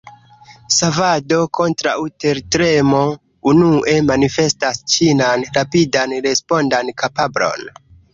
Savado kontraŭ tertremo unue manifestas ĉinan rapidan respondan kapablon.